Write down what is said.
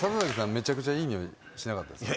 めちゃくちゃいい匂いしなかったですか？